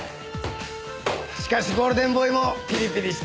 しかしゴールデンボーイもピリピリしてるねぇ。